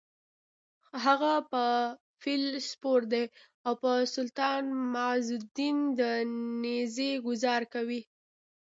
هغه په فیل سپور دی او په سلطان معزالدین د نېزې ګوزار کوي: